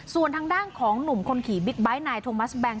ส่วนทางด้านของหนุ่มคนขี่บิ๊กไบท์นายโทมัสแบงค